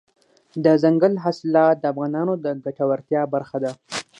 دځنګل حاصلات د افغانانو د ګټورتیا برخه ده.